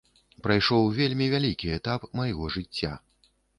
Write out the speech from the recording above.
Прайшоў вельмі вялікі этап майго жыцця.